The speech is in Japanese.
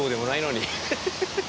ハハハハ。